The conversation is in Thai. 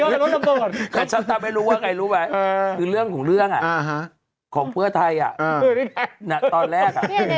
ซึ่งก็ทำให้รู้ใครรู้ไหมเรื่องผมแล้วของเฟื่อไทยอ่ะนอกกับตอนแรก